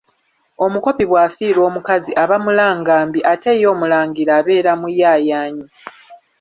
Omukopi bw'afiirwa omukazi aba mulangambi ate ye omulangira abeera muyayaanyi.